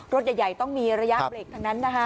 รถใหญ่ต้องมีระยะเบรกทั้งนั้นนะคะ